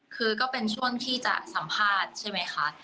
คือก็เป็นช่วงที่จะสัมภาษณ์ใช่ไหมคะ